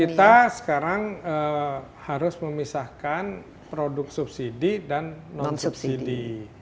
kita sekarang harus memisahkan produk subsidi dan non subsidi